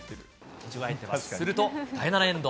すると第７エンド。